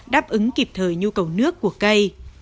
đáp ứng kịp thời nhu cầu nước của cây